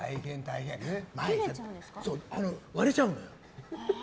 割れちゃうのよ。